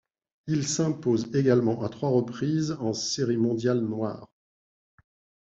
Ils s'imposent également à trois reprises en séries mondiales noires.